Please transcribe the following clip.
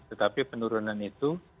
tetapi penurunan itu